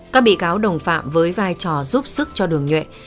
các bị cáo đồng phạm với vai trò giúp sức cho đường nhuệ